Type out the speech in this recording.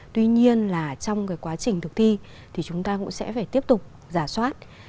tuy nhiên là trong cái quá trình thực thi thì chúng ta cũng sẽ phải tiếp tục giả soát